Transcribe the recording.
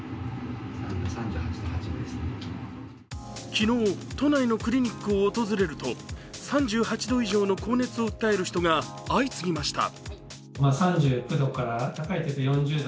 昨日、都内のクリニックを訪れると、３８度以上の高熱を訴える人が相次ぎました。